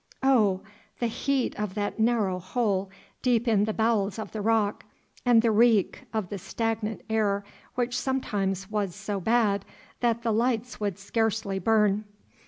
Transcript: Oh! the heat of that narrow hole deep in the bowels of the rock, and the reek of the stagnant air which sometimes was so bad that the lights would scarcely burn.